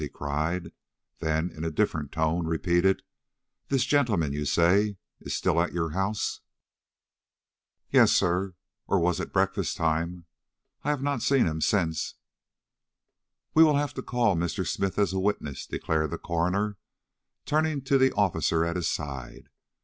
he cried; then, in a different tone, repeated: "This gentleman, you say, is still at your house?" "Yes, sir, or was at breakfast time. I have not seen him since." "We will have to call Mr. Smith as a witness," declared the coroner, turning to the officer at his side.